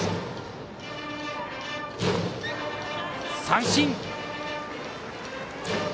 三振！